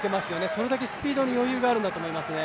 それだけスピードに余裕があるんだと思いますね。